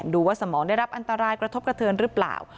ดูว่าสมองได้รับอันตรายกระทบกระเทือนหรือเปล่า